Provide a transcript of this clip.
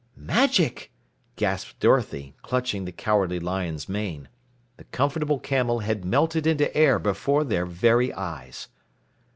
"Magic!" gasped Dorothy, clutching the Cowardly Lion's mane. The Comfortable Camel had melted into air before their very eyes.